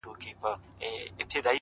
ها دی سلام يې وکړ!!